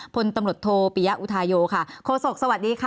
คุณตำรวจโทพียะอุทายโอค่ะโครโศกสวัสดีค่ะ